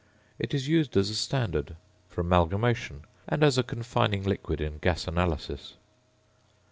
It is used as a standard; for amalgamation; and as a confining liquid in gas analysis.